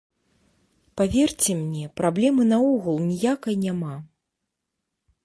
Паверце мне, праблемы наогул ніякай няма.